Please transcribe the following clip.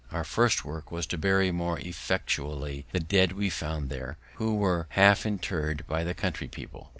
Our first work was to bury more effectually the dead we found there, who had been half interr'd by the country people.